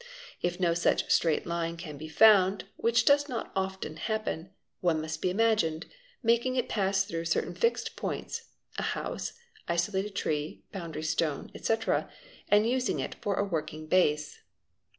If no such straight line can ~ be found—which does not often happen—one must be imagined, making it 'pass through certain fixed points (a house, isolated tree, boundary stone, _ €tc.) and using it for a working base.